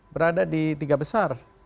berada di tiga besar